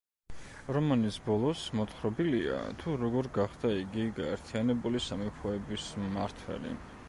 რომანის ბოლოს მოთხრობილია, თუ როგორ გახდა იგი გაერთიანებული სამეფოების მმართველი.